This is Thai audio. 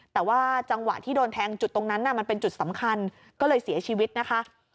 แต่ว่าจังหวะที่โดนแทงจุดตรงนั้นมันเป็นจุดสำคัญก็เลยเสียชีวิตนะคะ